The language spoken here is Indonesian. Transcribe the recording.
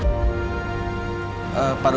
jangan lupa bu